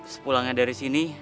sepulangnya dari sini